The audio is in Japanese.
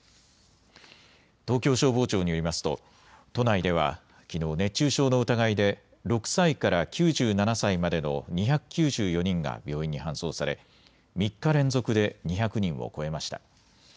東京消防庁によりますと都内ではきのう熱中症の疑いで６歳から９７歳までの２９４人が病院に搬送され、３日連続で２００人を超えました。